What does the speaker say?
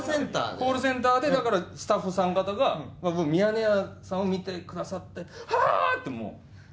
コールセンターで、だからスタッフさん方が、ミヤネ屋さんを見てくださって、ふぁーって、もう。